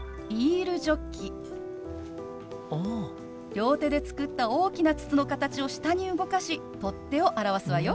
両手で作った大きな筒の形を下に動かし取っ手を表すわよ。